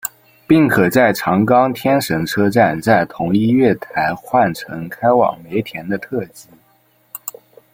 并可在长冈天神车站在同一月台换乘开往梅田的特急。